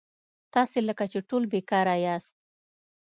تاسي لکه چې ټول بېکاره یاست.